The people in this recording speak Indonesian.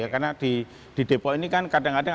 karena di depok ini kan kadang kadang